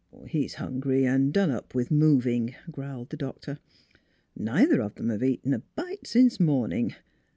" He's hungry and done up with moving," growled the doctor. " Neither of 'em have eaten a bite since morning.